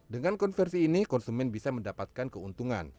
dengan konversi ini konsumen bisa mendapatkan keuntungan